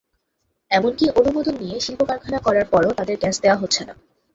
এমনকি অনুমোদন নিয়ে শিল্পকারখানা করার পরও তাদের গ্যাস দেওয়া হচ্ছে না।